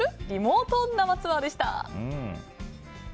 リモート生ツアーでした。